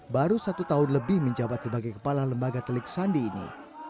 baru satu tahun lebih menjabat sebagai kepala lembaga telik sandi ini